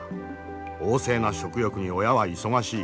旺盛な食欲に親は忙しい。